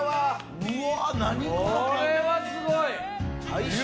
これはすごい！